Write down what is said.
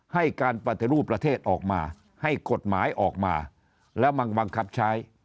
ให้การปฏิรูปประเทศออกมาให้กฎหมายออกมาแล้วมาบังคับใช้